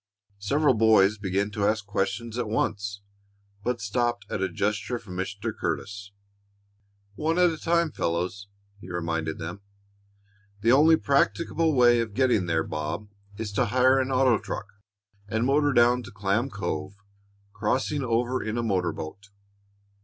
Several boys began to ask questions at once, but stopped at a gesture from Mr. Curtis. "One at a time, fellows," he reminded them. "The only practicable way of getting there, Bob, is to hire an auto truck and motor down to Clam Cove, crossing over in a motor boat.